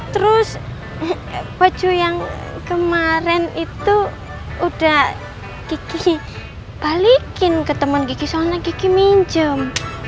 terus baju yang kemarin itu udah kiki balikin ke temen kiki soalnya kiki minjem